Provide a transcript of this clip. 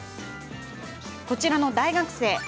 こちらの大学生。